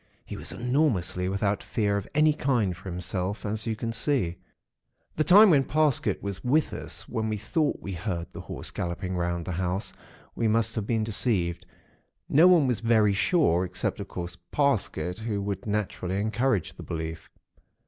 He was enormously without fear of any kind for himself, as you can see. "The time when Parsket was with us, when we thought we heard the Horse galloping round the house, we must have been deceived. No one was very sure, except, of course, Parsket, who would naturally encourage the belief.